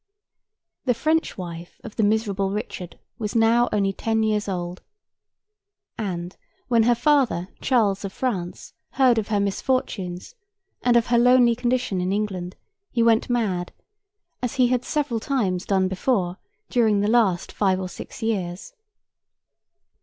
The French wife of the miserable Richard was now only ten years old; and, when her father, Charles of France, heard of her misfortunes and of her lonely condition in England, he went mad: as he had several times done before, during the last five or six years.